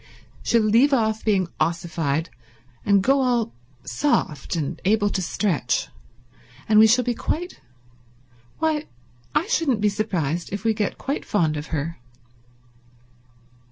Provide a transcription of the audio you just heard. She'll leave off being ossified, and go all soft and able to stretch, and we shall get quite—why, I shouldn't be surprised if we get quite fond of her."